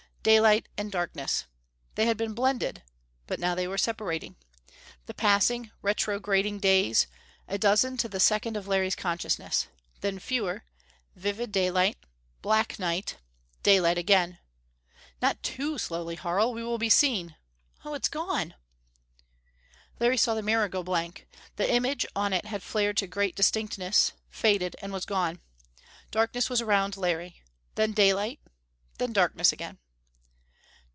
Daylight and darkness. They had been blended, but now they were separating. The passing, retrograding days a dozen to the second of Larry's consciousness. Then fewer. Vivid daylight. Black night. Daylight again. "Not too slowly, Harl; we will be seen!... Oh, it is gone!" Larry saw the mirror go blank. The image on it had flared to great distinctness, faded, and was gone. Darkness was around Larry. Then daylight. Then darkness again.